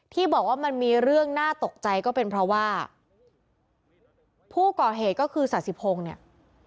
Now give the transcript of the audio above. ที่บอกว่ามันมีเรื่องน่าตกใจก็เป็นเพราะว่าผู้ก่อเหตุก็คือสาธิพงศ์เนี่ย